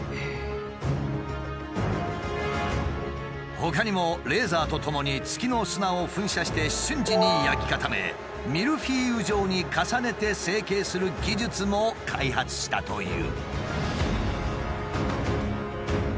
ほかにもレーザーとともに月の砂を噴射して瞬時に焼き固めミルフィーユ状に重ねて成型する技術も開発したという。